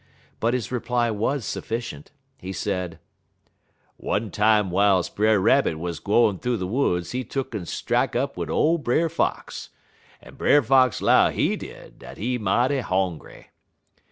But his reply was sufficient. He said: "One time w'iles Brer Rabbit wuz gwine thoo de woods he tuck'n strak up wid ole Brer Fox, en Brer Fox 'low, he did, dat he mighty hongry.